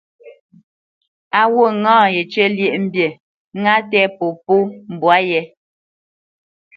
Á wût ŋâ yecə́ lyéʼmbî, ŋá tɛ̂ popó mbwǎ yé.